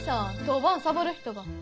当番サボる人が。